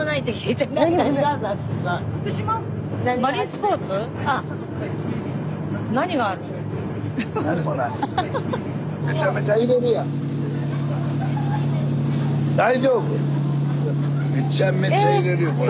スタジオめちゃめちゃ揺れるよこれ。